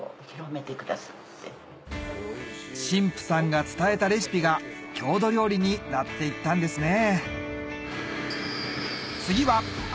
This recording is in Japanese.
神父さんが伝えたレシピが郷土料理になっていったんですね